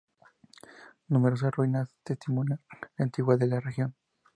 Numerosas ruinas testimonian la antigüedad de la región.